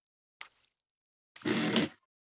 Kiberber karibu wote wanafuata dini ya Uislamu